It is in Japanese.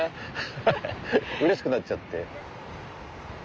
うれしくなっちゃって。